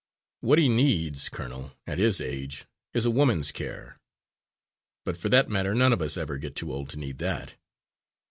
"What he needs, colonel, at his age, is a woman's care. But for that matter none of us ever get too old to need that."